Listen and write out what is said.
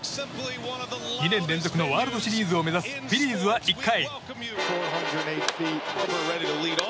２年連続のワールドシリーズを目指すフィリーズは１回。